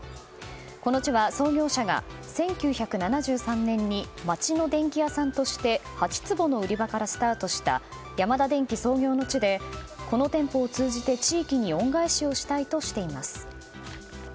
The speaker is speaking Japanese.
この地は、創業者が１９７３年に町の電気屋さんとして８坪の売り場からスタートしたヤマダデンキ創業の地でこの店舗を通じて地域に恩返しをしたいとしています。